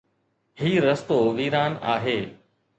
هي رستو ويران آهي